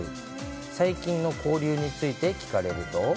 最近の交流について聞かれると。